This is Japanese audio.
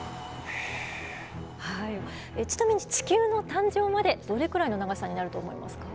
ちなみに地球の誕生までどれくらいの長さになると思いますか？